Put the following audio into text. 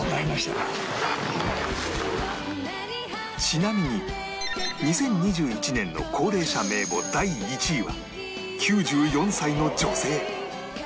ちなみに２０２１年の高齢者名簿第１位は９４歳の女性